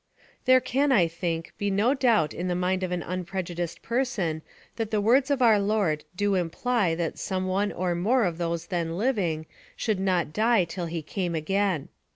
" There can, I think, be no doubt in the mind of an unprejudiced person that the words of our Lord do imply that some one or more of those then living should not die till He came again.